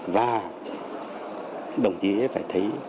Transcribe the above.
và đồng chí ấy phải thấy